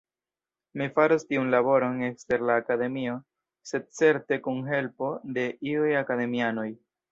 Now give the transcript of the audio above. Mi faros tiun laboron ekster la Akademio, sed certe kun helpo de iuj Akademianoj.